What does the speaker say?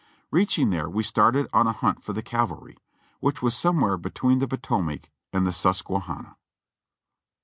Reaching there we started on a hunt for the cavalry, which was somewhere between the Potomac and the Susque hanna.